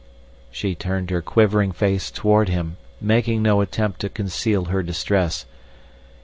She turned her quivering face toward him, making no attempt to conceal her distress.